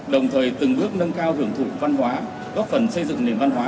đồng thời từng bước nâng cao hưởng thụ văn hóa góp phần xây dựng nền văn hóa